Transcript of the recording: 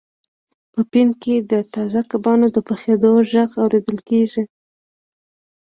په پین کې د تازه کبانو د پخیدو غږ اوریدل کیږي